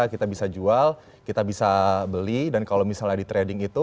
kita bisa jual kita bisa beli dan kalau misalnya di trading itu